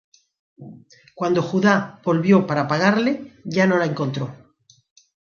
Cuando Judá volvió para pagarle, ya no la encontró.